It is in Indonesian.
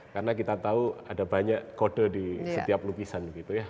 karena kita tahu ada banyak kode di setiap lukisan